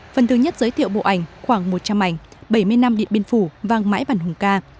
phần thứ nhất giới thiệu bộ ảnh khoảng một trăm linh ảnh bảy mươi năm điện biên phủ vàng mãi bản hùng ca